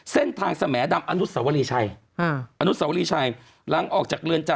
เส้นทางสมแดมอนุสสวรีชัยล้างออกจากเรือนจำ